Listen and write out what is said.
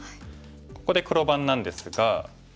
ここで黒番なんですが。